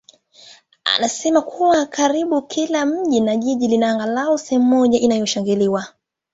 anasema kuwa karibu kila mji na jiji lina angalau sehemu moja iliyoshangiliwa.